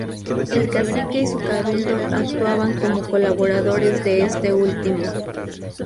El cacique y su cabildo actuaban como colaboradores de este último.